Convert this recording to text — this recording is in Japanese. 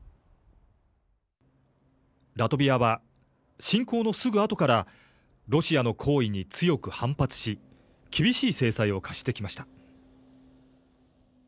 ラトビアは侵攻のすぐあとからロシアの行為に強く反発し厳しい制裁を科してきました。